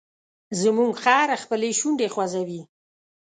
زموږ خر خپلې شونډې خوځوي.